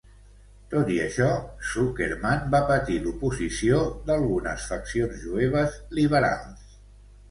Tot i això, Zuckerman va patir l"oposició d"algunes faccions jueves liberals.